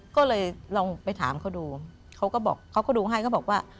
ก็เลยลองไปถามเขาดูเขาก็ดูให้เขาบอกว่า